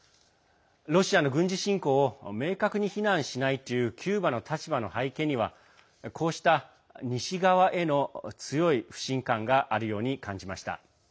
ロシアの軍事侵攻を明確に非難しないというキューバの立場の背景にはこうした西側への強い不信感があるように感じました。